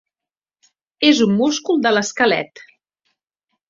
És un múscul de l'esquelet.